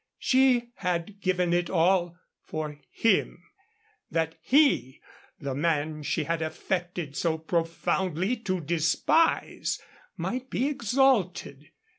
She had given it all for him that he, the man she had affected so profoundly to despise, might be exalted.